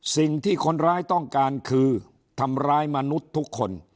สิ่งที่คนร้ายต้องการคือทำร้ายมนุษย์ทุกคน